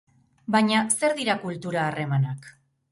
Baina zer dira kultura harremanak?